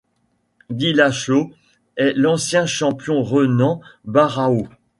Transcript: Dillashaw et l'ancien champion Renan Barão.